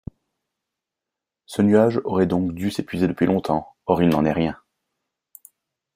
Ce nuage aurait donc dû s'épuiser depuis longtemps, or il n'en est rien.